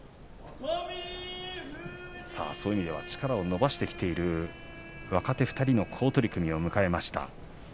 そういう意味では力を伸ばしてきている若手２人の好取組を迎えました。